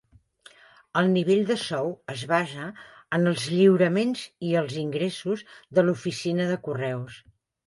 El nivell de sou es basa en els lliuraments i els ingressos de l'oficina de correus.